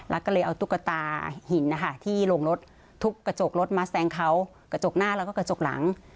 แล้วก็เลยเอาตุ๊กตาหินนะคะที่โรงรถทุบกระจกรถมาแซงเขากระจกหน้าแล้วก็กระจกหลัง